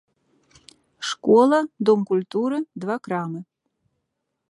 Школа, дом культуры, два крамы.